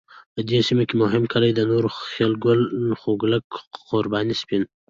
په دې سیمه کې مهم کلی د نوره خیل، کولک، قرباني، سپین .